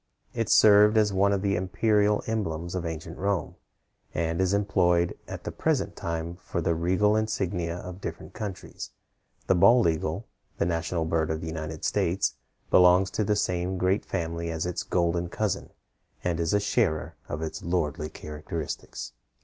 It served as one of the imperial emblems of ancient Rome, and is employed at the present time for the regal insignia of different countries. The bald eagle, the national bird of the United States, belongs to the same great family as its golden cousin, and is a sharer of its lordly characteristics.